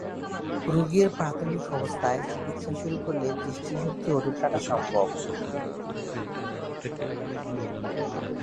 রোগের প্রাথমিক অবস্থায় চিকিৎসা শুরু করলে দৃষ্টিশক্তি অটুট রাখা সম্ভব।